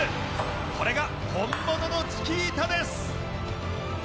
これが本物のチキータです。